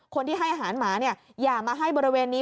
คนที่ให้อาหารหมาเนี่ยอย่ามาให้บริเวณนี้